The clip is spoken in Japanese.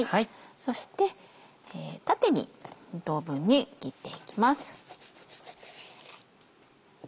そして縦に２等分に切っていきます。